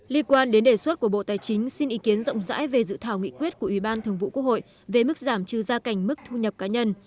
liên quan đến đề xuất của bộ tài chính xin ý kiến rộng rãi về dự thảo nghị quyết của ủy ban thường vụ quốc hội về mức giảm trừ gia cảnh mức thu nhập cá nhân